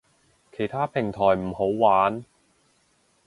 其他平台唔好玩